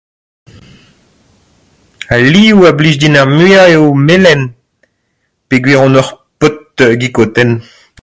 Al liv a blij din ar muiañ eo melen peogwir on ur paotr 'Guy Cotten'.